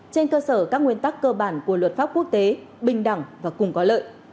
trên cơ sở các nguyên tắc cơ bản của luật pháp quốc tế bình đẳng và cùng có lợi